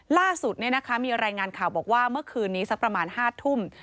ล่าสุดมีรายงานข่าวบอกว่าเมื่อคืนนี้สักประมาณ๕ทุ่ม